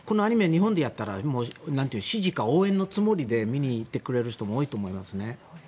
日本でやったら支持か応援の思いで見に行ってくれる人も多いと思います。